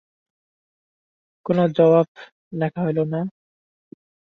কোনো জবাব লেখা হইল না।